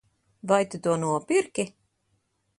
Vai tu to nopirki?